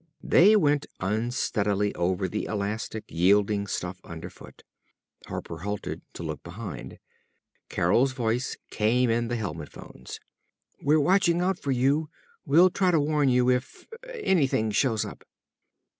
They went unsteadily over the elastic, yielding stuff underfoot. Harper halted, to look behind. Carol's voice came in the helmet phones. "_We're watching out for you. We'll try to warn you if anything shows up.